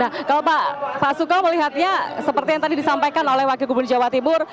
nah kalau pak sukam melihatnya seperti yang tadi disampaikan oleh wakil gubernur jawa timur